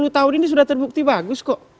dua puluh tahun ini sudah terbukti bagus kok